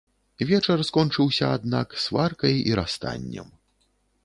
Вечар скончыўся, аднак, сваркай і расстаннем.